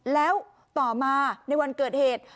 แล้วต่อมาในวันเกิดเหตุ